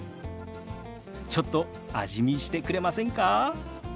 ちょっと味見してくれませんか？